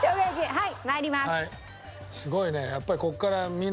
はい。